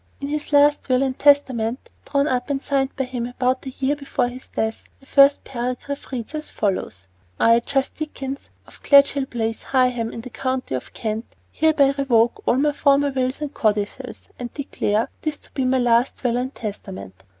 In his last will and testament, drawn up and signed by him about a year before his death, the first paragraph reads as follows: I, Charles Dickens, of Gadshill Place, Higham, in the county of Kent, hereby revoke all my former wills and codicils and declare this to be my last will and testament.